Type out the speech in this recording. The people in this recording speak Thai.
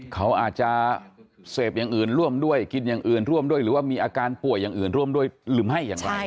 เขาอาจจะเสพอย่างอื่นร่วมด้วยกินอย่างอื่นร่วมด้วยหรือว่ามีอาการป่วยอย่างอื่นร่วมด้วยหรือไม่อย่างไร